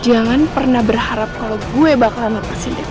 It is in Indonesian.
jangan pernah berharap kalau gue bakalan lepasin dewa